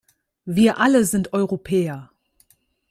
Wir alle sind Europäer.